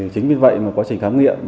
chính vì vậy quá trình khám nghiệm